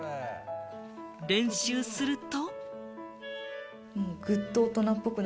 練習すると。